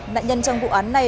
nạn nhân trong vụ án này